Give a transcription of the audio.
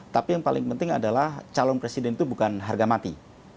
tapi yang paling penting adalah calon presiden itu bukan harga mati